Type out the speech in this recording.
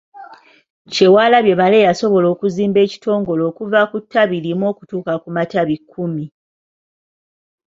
Kyewalabye Male yasobola okuzimba ekitongole okuva ku ttabi limu okutuuka ku matabi kkumi.